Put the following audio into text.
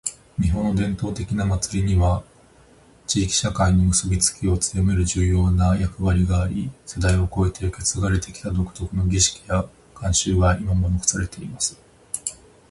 •「日本の伝統的な祭りには、地域社会の結びつきを強める重要な役割があり、世代を超えて受け継がれてきた独特の儀式や慣習が今も残されています。」